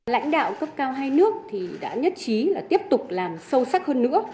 lãnh đạo cấp cao hai nước đã nhất trí là tiếp tục làm sâu sắc hơn nữa